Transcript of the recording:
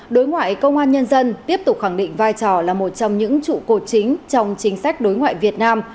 đối ngoại công an nhân dân tiếp tục khẳng định vai trò là một trong những trụ cột chính trong chính sách đối ngoại việt nam